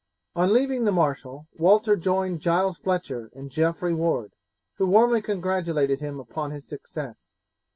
On leaving the marshal Walter joined Giles Fletcher and Geoffrey Ward, who warmly congratulated him upon his success.